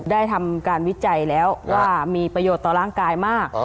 ได้ทำการวิจัยแล้วว่ามีประโยชน์ต่อร่างกายมาก